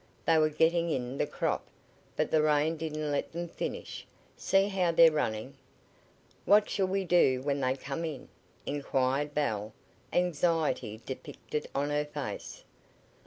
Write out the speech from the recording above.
"They were getting in the crop, but the rain didn't let them finish. See how they're running." "What shall we do when they come in?" inquired Belle, anxiety depicted on her face.